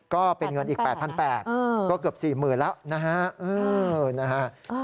ก็เป็นเงินอีก๘๘๐๐ก็เกือบ๔๐๐๐แล้วนะฮะ